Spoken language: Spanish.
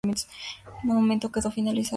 El monumento quedó finalizado el mismo año.